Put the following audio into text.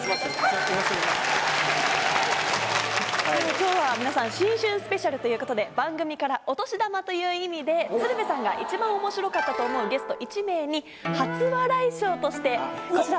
今日は皆さん新春ＳＰということで番組からお年玉という意味で鶴瓶さんが一番面白かったと思うゲスト１名に初笑い賞としてこちら。